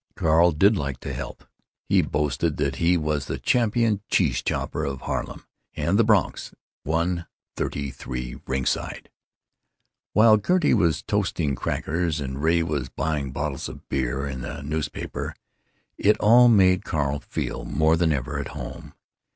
Carl did like to help. He boasted that he was the "champion cheese chopper of Harlem and the Bronx, one thirty three ringside," while Gertie was toasting crackers, and Ray was out buying bottles of beer in a newspaper. It all made Carl feel more than ever at home....